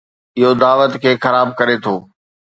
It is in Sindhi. اهو دعوت کي خراب ڪري ٿو.